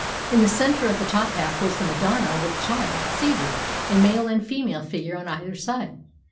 In the centre of the top half was the Madonna with Child, seated, a male and female figure on either side.